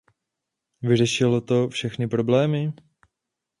Vyřešilo to všechny problémy?